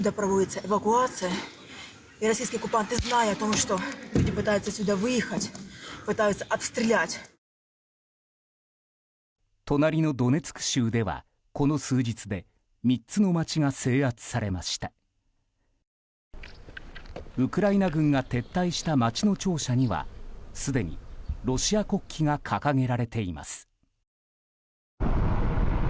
ウクライナ軍が撤退した街の庁舎にはすでにロシア国旗が掲げられています。